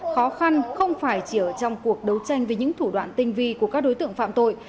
khó khăn không phải chỉ ở trong cuộc đấu tranh với những thủ đoạn tinh vi của các đối tượng phạm tội